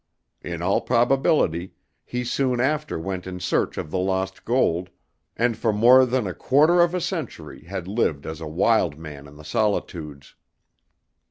In all probability he soon after went in search of the lost gold, and for more than a quarter of a century had lived as a wild man in the solitudes.